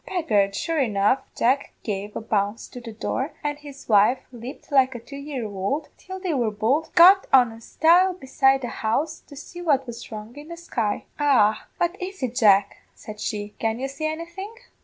"Begad, sure enough, Jack gave a bounce to the door, and his wife leaped like a two year ould, till they were both got on a stile beside the house to see what was wrong in the sky. "'Arrah, what is it, Jack,' said she; 'can you see anything?'